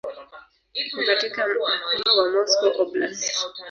Iko katika mkoa wa Moscow Oblast.